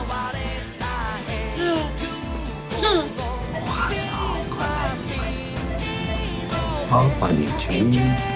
おはようございます。